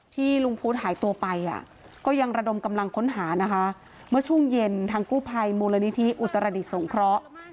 ที่ลุงพุธหายตัวไปก็ยังระดมกำลังค้นหานะคะ